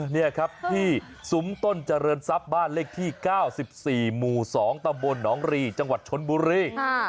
นี่ครับที่ซุ้มต้นเจริญทรัพย์บ้านเลขที่๙๔หมู่๒ตำบลหนองรีจังหวัดชนบุรี